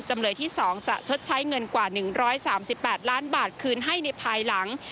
จำเลยที่๒จะชดใช้เงินกว่า๑๓๘ล้านบาทคืนให้ในภายหลัง